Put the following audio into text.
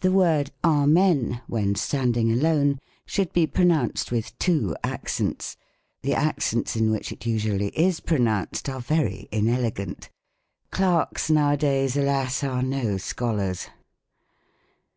The word " a men," when standing alone, should be pronounced with two accents. The accents in which it usually is pronounced are very inelegant. Clerks, now a days, alas ! are no scholars.